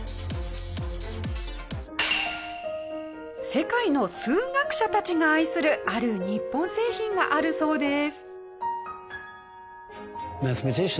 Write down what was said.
世界の数学者たちが愛するある日本製品があるそうです。